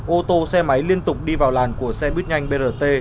ô tô xe máy liên tục đi vào làn của xe buýt nhanh brt